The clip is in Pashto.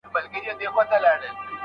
که د ميرمني خوی ښه نه وي مه خپه کيږئ.